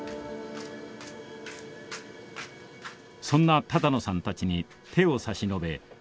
そんな多々納さんたちに手を差し伸べ